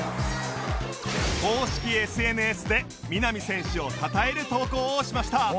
公式 ＳＮＳ で南選手をたたえる投稿をしました